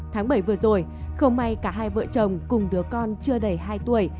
tháng bảy vừa rồi không may cả hai vợ chồng cùng đứa con chưa đầy hai tuổi